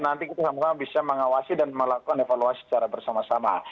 nanti kita sama sama bisa mengawasi dan melakukan evaluasi secara bersama sama